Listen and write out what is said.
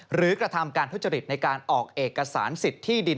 กระทำการทุจริตในการออกเอกสารสิทธิ์ที่ดิน